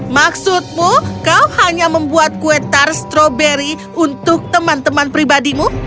maksudmu kau hanya membuat kue tar stroberi untuk teman teman pribadimu